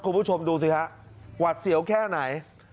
คุณผู้ชมดูสิฮะหวัดเสียวแค่ไหน